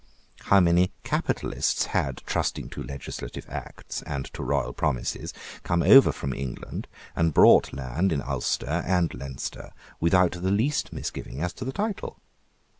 How many capitalists had, trusting to legislative acts and to royal promises, come over from England, and bought land in Ulster and Leinster, without the least misgiving as to the title!